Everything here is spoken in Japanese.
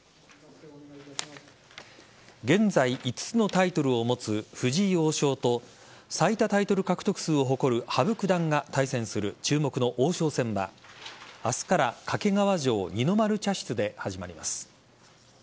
現在５つのタイトルを持つ藤井王将と最多タイトル獲得数を誇る羽生九段が対戦する注目の王将戦は明日から掛川城二の丸茶室で始まります。